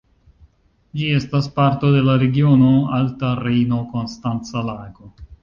Ĝi estas parto de la regiono Alta Rejno-Konstanca Lago.